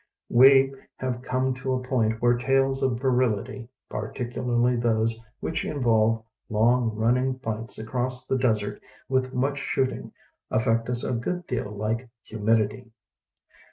We have come to a point where tales of virility, particularly those which in volve long running fights across the desert with much shooting, affect us a good deal like humidity.